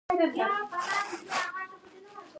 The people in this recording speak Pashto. متلونه ادبي او هنري رنګ لري